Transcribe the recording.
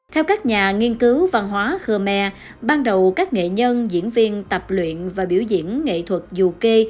theo các nhà nghiên cứu văn hóa khmer ban đầu các nghệ nhân diễn viên tập luyện và biểu diễn nghệ thuật dù kê